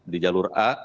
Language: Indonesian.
di jalur a